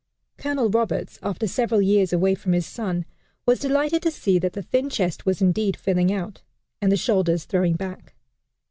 Colonel Roberts, after several years away from his son, was delighted to see that the thin chest was indeed filling out, and the shoulders throwing back.